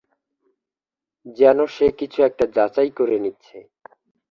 যেন সে কিছু একটা যাচাই করে নিচ্ছে।